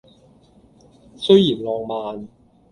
雖然浪漫